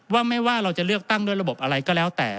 ว่าไม่ว่าเราจะเลือกตั้งด้วยระบบอะไรก็แล้วแต่